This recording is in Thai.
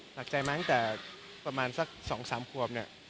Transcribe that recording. หนักใจมาตั้งแต่ประมาณสัก๒๓ควบเนี่ย